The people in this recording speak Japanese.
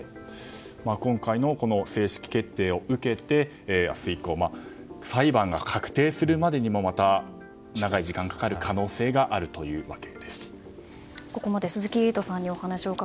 今回の正式決定を受けて明日以降裁判が確定するまでにもまた長い時間がかかる彼の名はペイトク